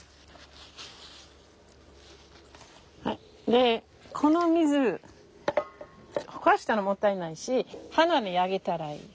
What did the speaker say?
でこの水ほかしたらもったいないし花にあげたらいい。